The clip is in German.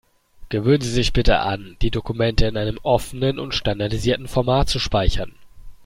Gewöhnen Sie sich bitte an, die Dokumente in einem offenen und standardisierten Format zu speichern.